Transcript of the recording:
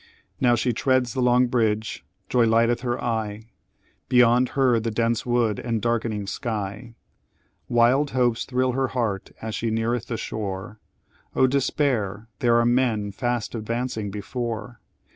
"Now she treads the Long Bridge joy lighteth her eye Beyond her the dense wood and darkening sky Wild hopes thrill her heart as she neareth the shore: O, despair! there are men fast advancing before!